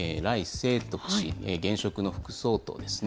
清徳氏、現職の副総統ですね。